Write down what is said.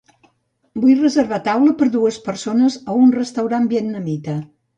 Vull reservar taula per a dues persones a un restaurant vietnamita.